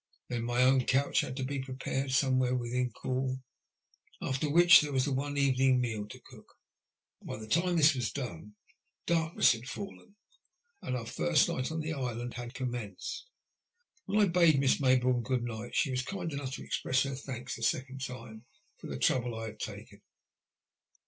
Then my own couch had to be prepared somewhere within call. After which there was the evening meal to cook. By the time this was done, darkness had fallen, and our first night on the island bad commenced. When I bade Miss Mayboume good night " she was kind enough to express her thanks a second time for the trouble I had taken.